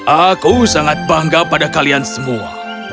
aku sangat bangga pada kalian semua